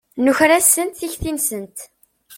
Nuker-asent tikti-nsent.